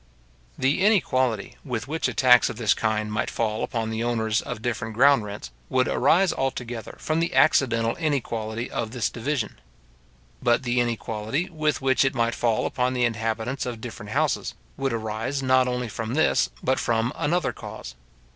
The inequality with which a tax of this kind might fall upon the owners of different ground rents, would arise altogether from the accidental inequality of this division. But the inequality with which it might fall upon the inhabitants of different houses, would arise, not only from this, but from another cause.